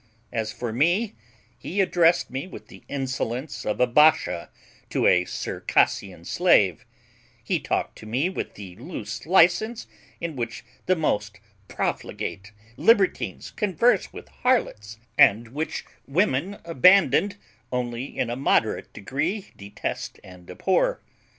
As for me, he addressed me with the insolence of a basha to a Circassian slave; he talked to me with the loose licence in which the most profligate libertines converse with harlots, and which women abandoned only in a moderate degree detest and abhor.